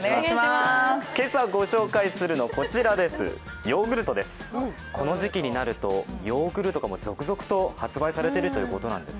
今朝、御紹介するのはこちらです、ヨーグルトです、この時期になるとヨーグルトも続々と発売されているということなんです。